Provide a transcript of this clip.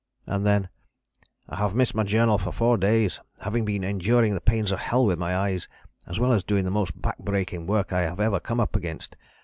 And then: "I have missed my journal for four days, having been enduring the pains of hell with my eyes as well as doing the most back breaking work I have ever come up against....